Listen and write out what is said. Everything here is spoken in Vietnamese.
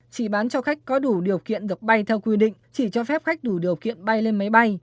chỉ bán cho khách có đủ điều kiện được bay theo quy định chỉ cho phép khách đủ điều kiện bay lên máy bay